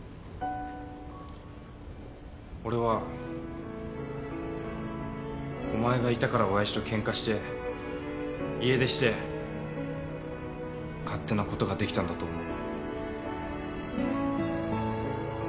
俺はお前がいたから親父とケンカして家出して勝手なことができたんだと思う。